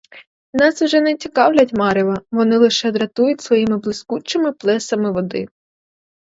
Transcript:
Нас уже не цікавлять марева, вони лише дратують своїми блискучими плесами води.